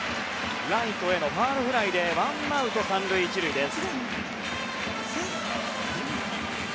ライトへのファウルフライでワンアウト３塁１塁です。